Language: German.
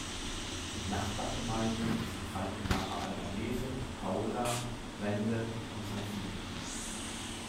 Die Nachbargemeinden sind Falconara Albanese, Paola, Rende und San Fili.